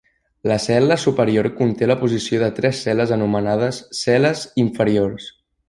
La cel·la superior conté la posició de tres cel·les anomenades "cel·les inferiors".